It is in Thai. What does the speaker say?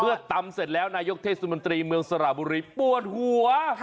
ตำเสร็จแล้วนายกเทศมนตรีเมืองสระบุรีปวดหัว